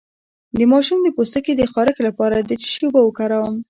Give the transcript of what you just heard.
د ماشوم د پوستکي د خارښ لپاره د څه شي اوبه وکاروم؟